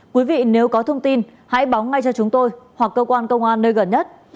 quý vị nếu có thông tin hãy báo ngay cho chúng tôi hoặc cơ quan công an nơi gần nhất